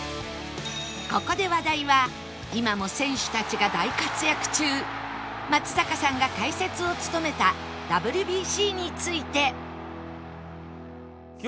ここで話題は今も選手たちが大活躍中松坂さんが解説を務めた ＷＢＣ について